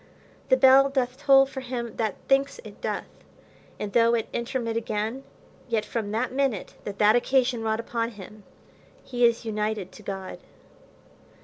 The bell doth toll for him that thinks it doth; and though it intermit again, yet from that minute that that occasion wrought upon him, he is united to God.